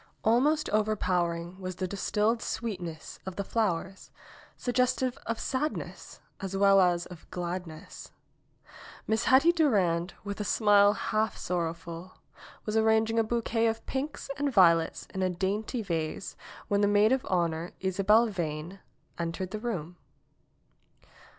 Almost overpowering was the distilled sweet ness of the flowers, suggestive of sadness as well as of gladness. Miss Hetty Durand, with a smile half sorrowful, was arranging a bouquet of pinks and violets in a dainty vase when the maid of honor, Isabel Veyne, entered the room.